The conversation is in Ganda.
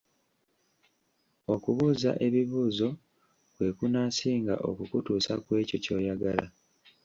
Okubuuza ebibuuzo kwe kunaasinga okukutuusa ku ekyo ky’oyagala?